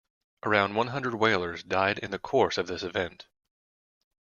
Around one hundred whalers died in the course of this event.